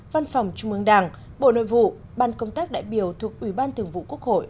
văn phòng trung ương đảng bộ nội vụ ban công tác đại biểu thuộc ủy ban thường vụ quốc hội